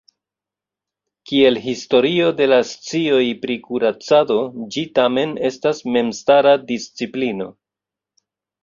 Kiel historio de la scioj pri kuracado ĝi tamen estas memstara disciplino.